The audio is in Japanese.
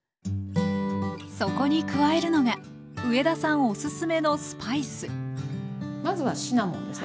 そこに加えるのが上田さんおすすめのスパイスまずはシナモンですね。